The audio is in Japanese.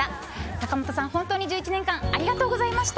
坂本さん、本当に１１年間ありがとうございました。